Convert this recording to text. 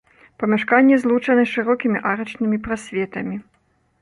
Памяшканні злучаны шырокімі арачнымі прасветамі.